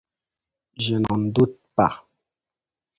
Je n'en doute pas.